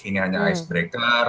ini hanya icebreaker